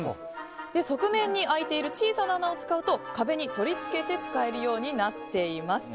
側面に開いている小さな穴を使うと壁に取り付けて使えるようになっています。